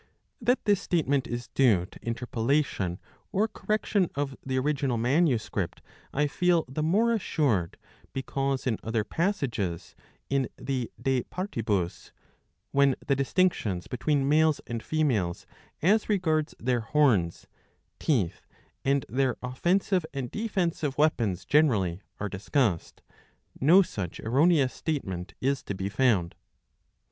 That this statement is due to interpolation /v/i^tAA^ or correction of the original manuscript I feel the more assured, because a in other passages, in the De Partibus, when the distinctions between ( males and females as regards their horns, teeth, and their offensive and defensive weapons generally, are discussed/ no such erroneous state ment is to be found.